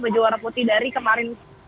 baju warna putih dari kemarin